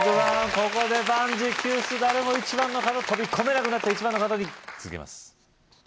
ここで万事休す誰も１番の角飛び込めなくなった続けます